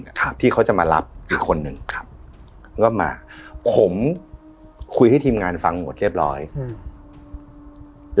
ครับที่เขาจะมารับอีกคนหนึ่งครับก็มาผมคุยให้ทีมงานฟังหมดเรียบร้อยอืม